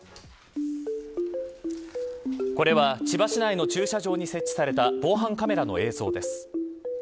これは千葉市内の駐車場に設置された防犯カメラの映像です。